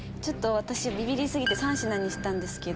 私ビビり過ぎて３品にしたんですけど。